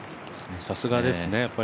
さすがですね